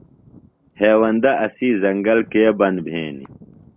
ہیوندہ اسی زنگل کے بند بھینیۡ؟